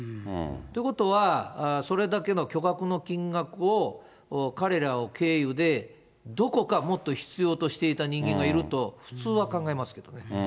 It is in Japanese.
ということは、それだけの巨額の金額を、彼らを経由で、どこか、もっと必要としていた人間がいると、普通は考えますけどね。